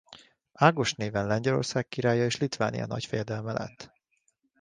Ágost néven Lengyelország királya és Litvánia nagyfejedelme lett.